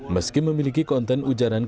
meski memiliki konten ujaran